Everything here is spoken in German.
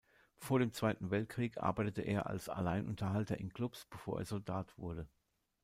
Vor dem Zweiten Weltkrieg arbeitete er als Alleinunterhalter in Clubs, bevor er Soldat wurde.